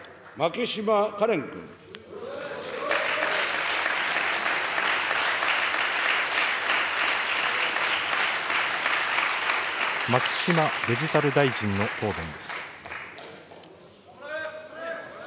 牧島デジタル大臣の答弁です。